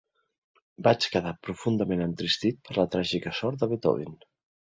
Vaig quedar profundament entristit per la tràgica sort de Beethoven.